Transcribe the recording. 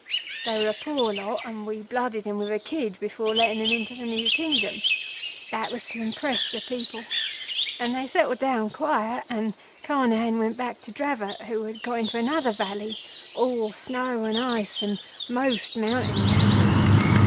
They were a poor lot, and we blooded 'em with a kid before letting 'em into the new Kingdom. That was to impress the people, and then they settled down quiet, and Carnehan went back to Dravot who had got into another valley, all snow and ice and most mountainous.